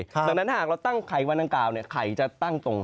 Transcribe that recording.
ดังนั้นถ้าหากเราตั้งไข่มาด้านกราวเนี่ยใครจะตั้งตรง